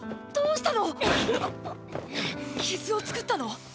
どうしたの⁉傷を作ったの？